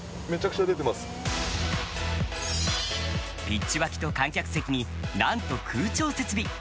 ピッチ脇と観客席になんと空調設備！